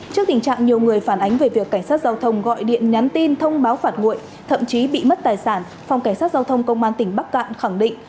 trước tình trạng nhiều người phản ánh về việc cảnh sát giao thông gọi điện nhắn tin thông báo phạt nguội thậm chí bị mất tài sản phòng cảnh sát giao thông công an tỉnh bắc cạn khẳng định